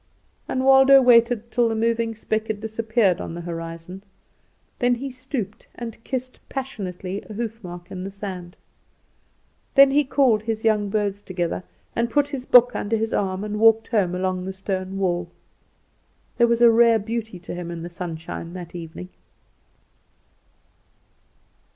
And Waldo waited till the moving speck had disappeared on the horizon; then he stooped and kissed passionately a hoof mark in the sand. Then he called his young birds together, and put his book under his arm, and walked home along the stone wall. There was a rare beauty to him in the sunshine that evening.